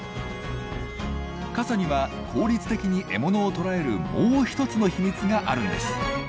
傘には効率的に獲物を捕らえるもう一つの秘密があるんです。